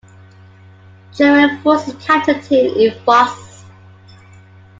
German forces captured him in Vosges.